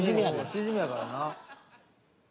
シジミやからな。